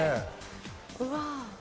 うわ。